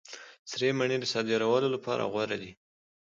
سرې مڼې د صادرولو لپاره غوره دي.